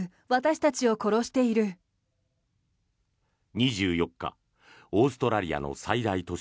２４日、オーストラリアの最大都市